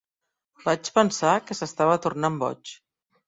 Vaig pensar que s'estava tornant boig.